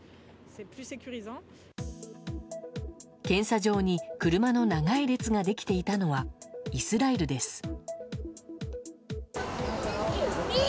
検査場に車の長い列ができていたのはイスラエルです。